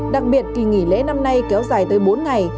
đặc biệt kỳ nghỉ lễ năm nay kéo dài tới bốn ngày